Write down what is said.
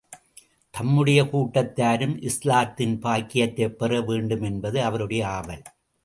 தம்முடைய கூட்டத்தாரும் இஸ்லாத்தின் பாக்கியத்தைப் பெற வேண்டும் என்பது அவருடைய ஆவல்.